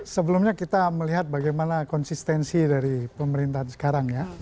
sebelumnya kita melihat bagaimana konsistensi dari pemerintahan sekarang ya